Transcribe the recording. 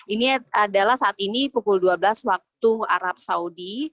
ini adalah saat ini pukul dua belas waktu arab saudi